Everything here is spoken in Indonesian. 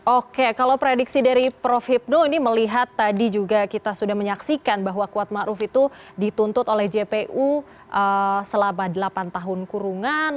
oke kalau prediksi dari prof hipno ini melihat tadi juga kita sudah menyaksikan bahwa kuat ⁇ maruf ⁇ itu dituntut oleh jpu selama delapan tahun kurungan